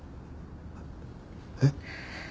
えっ？